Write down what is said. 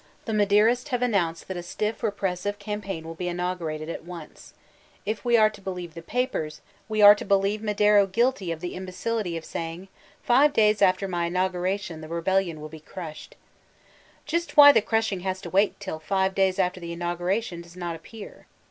The Maderists have announced that a stiff repressive campaign will be inaugurated at once; if we are to be lieve the papers, we are to believe Madero guilty of the imbecility of saying, 'Tive days after my inauguration Thb Mexican Rbvolxttion 265 the rd>eIlion will be cntshed.'* Just why the cntshing has to wait till five days after the inauguration does not appear.